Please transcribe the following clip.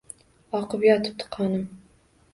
Oqib yotibdi qonim…